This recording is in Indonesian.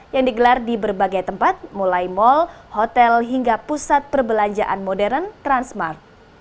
yang digelar di berbagai tempat mulai mal hotel hingga pusat perbelanjaan modern transmart